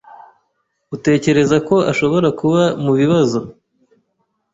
Utekereza ko ashobora kuba mubibazo?